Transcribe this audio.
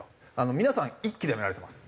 皆さん１期で辞められてます。